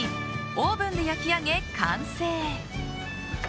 オーブンで焼き上げ、完成。